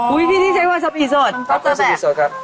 อ๋ออุ๊ยพี่จี้ใช้วาซาปิสดโอเควาซาปิสดครับ